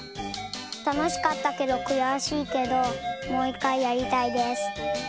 たのしかったけどくやしいけどもういっかいやりたいです。